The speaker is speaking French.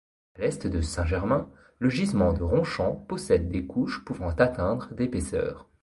À l'est de Saint-Germain, le gisement de Ronchamp possède des couches pouvant atteindre d’épaisseur.